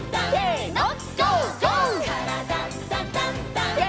「からだダンダンダン」